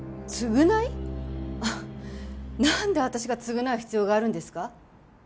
なんで私が償う必要があるんですか？